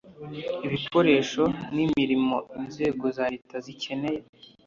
ibikoresho n imirimo inzego za leta zikeneye